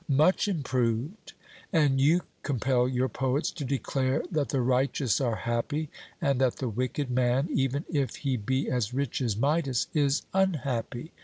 'Much improved.' And you compel your poets to declare that the righteous are happy, and that the wicked man, even if he be as rich as Midas, is unhappy?